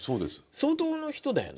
相当の人だよね。